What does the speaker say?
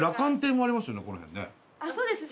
そうですね。